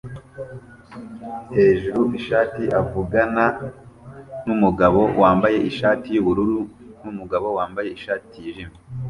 hejuru ishati avugana numugabo wambaye ishati yubururu numugabo wambaye ishati yijimye